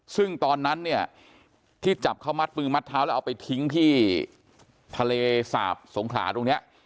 ซึ่งตอนนั้นเนี่ยที่จับเขามัดมือมัดเท้าแล้วเอาไปทิ้งที่ทะเลสาบสงขลาตรงนี้